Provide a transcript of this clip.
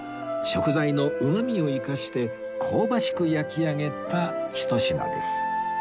食材のうまみを生かして香ばしく焼き上げたひと品です